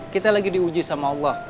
kita lagi diuji sama allah